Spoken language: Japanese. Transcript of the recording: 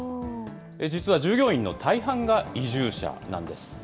実は従業員の大半が移住者なんです。